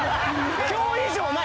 今日以上ない！